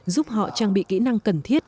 giúp họ trang bị kỹ năng cần thiết